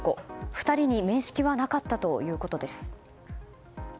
２人に面識はなかったということです。